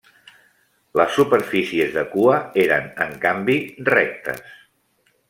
Les superfícies de cua eren, en canvi, rectes.